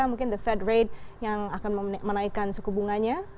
mungkin the fed rate yang akan menaikkan suku bunganya